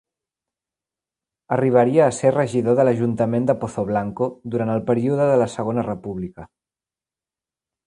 Arribaria a ser regidor de l'Ajuntament de Pozoblanco, durant el període de la Segona República.